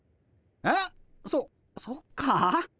えっそそっか。